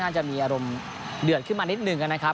อาจจะมีอารมณ์เดือดขึ้นมานิดหนึ่งนะครับ